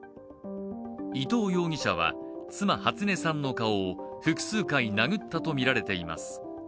伊藤容疑者は妻・初音さんの顔を複数回殴ったとみられています。